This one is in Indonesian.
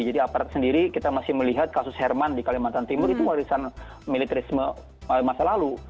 jadi aparat sendiri kita masih melihat kasus herman di kalimantan timur itu warisan militerisme masa lalu